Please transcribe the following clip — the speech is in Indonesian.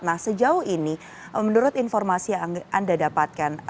nah sejauh ini menurut informasi yang anda dapatkan